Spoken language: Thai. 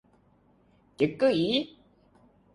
จึ๊กกึ๋ย